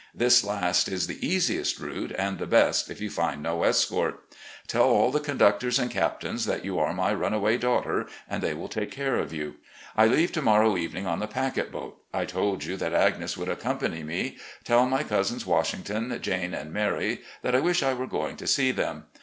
This last is the easiest route, and the best if you find no escort. Tell all the conductors and captains that you are my runaway daughter, and they will take care of you. I leave to morrow evening on the packet boat. I told you that Agnes wotild accompany me. Tell my cousins Washing ton, Jane, and Mary that I wish I were going to see them.